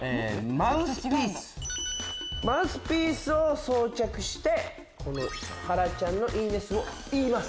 マウスピースを装着してはらちゃんのいいね数言います。